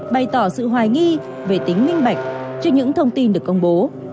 bày tỏ sự hoài nghi về tính minh bạch cho những thông tin được công bố